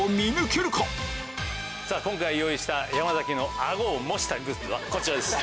今回用意した山崎のアゴを模したグッズはこちらです。